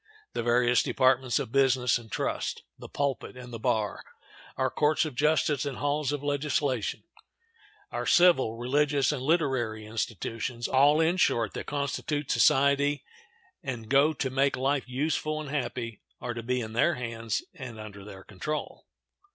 The various departments of business and trust, the pulpit and the bar, our courts of justice and halls of legislation, our civil, religious, and literary institutions, all, in short, that constitute society and go to make life useful and happy, are to be in their hands and under their control.